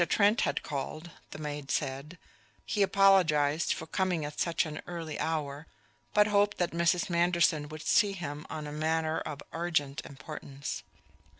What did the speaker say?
Trent had called, the maid said; he apologized for coming at such an early hour, but hoped that Mrs. Manderson would see him on a matter of urgent importance.